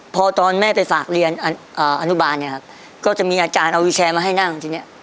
พอตอนแม่ไปฝากเรียนอนุบาลเนี่ยครับก็จะมีอาจารย์เอาวิวแชร์มาให้นั่งทีนี้